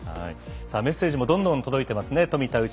メッセージもどんどん届いています。